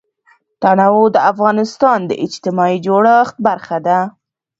تنوع د افغانستان د اجتماعي جوړښت برخه ده.